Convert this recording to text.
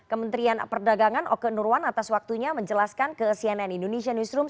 kementerian perdagangan oke nurwan atas waktunya menjelaskan ke cnn indonesia newsroom